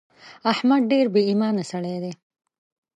احمد ډېر بې ايمانه سړی دی.